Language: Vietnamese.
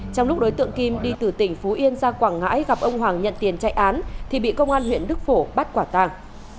trong lúc đối tượng kim đi từ tỉnh phú yên ra quảng ngãi gặp ông hoàng nhận tiền chạy án thì bị công an huyện đức phổ bắt quả tàng